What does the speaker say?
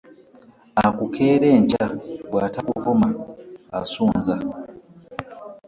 Aakukeera enkya bw'atakuvma asunza .